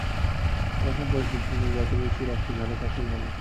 ওরকম পরিস্থিতিতে, যত বেশি রক্ত ঝরে, ততোই ভালো।